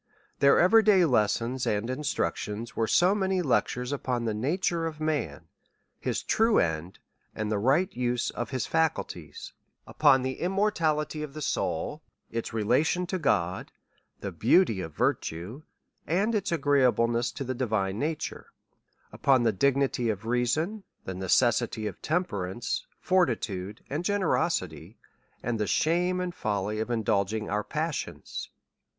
Their every day lessons and instructions were so many lec tures upon the nature of man, his true end, and the right use of his faculties ; upon the immortality of the soul, its relation to God, the beauty of virtue, and its agreeableness to the divine nature ; upon the dignity of reason, the necessity of temperance, fortitude, and generosity, and the shame, and folly of indulging our passions.